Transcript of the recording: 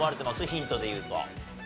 ヒントでいうと。